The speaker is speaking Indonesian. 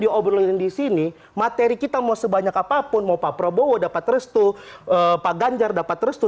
diobrolin disini materi kita mau sebanyak apapun mau pak prabowo dapat restu pak ganjar dapat restu